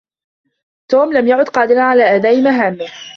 توم لم يعد قادرا على أداء مهامه.